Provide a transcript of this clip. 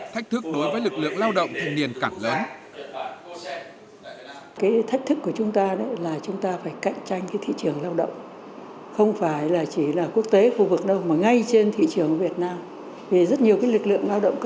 thách thức đối với lực lượng lao động thanh niên càng lớn